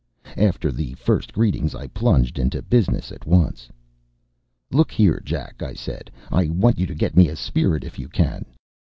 After the first greetings, I plunged into business at once. "Look here, Jack," I said, "I want you to get me a spirit, if you can."